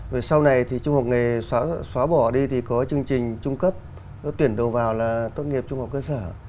rồi sau này thì trung học nghề xóa bỏ đi thì có chương trình trung cấp tuyển đầu vào là tốt nghiệp trung học cơ sở